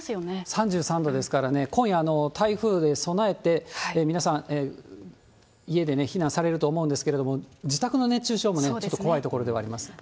３３度ですからね、今夜、台風で備えて皆さん、家で避難されると思うんですけれども、自宅の熱中症もちょっと怖いところではあります。